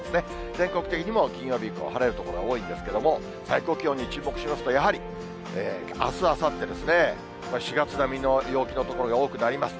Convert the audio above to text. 全国的にも金曜日以降、晴れる所が多いんですけれども、最高気温に注目しますと、やはりあす、あさってですね、４月並みの陽気の所が多くなります。